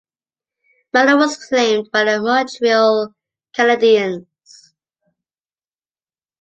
Malone was claimed by the Montreal Canadiens.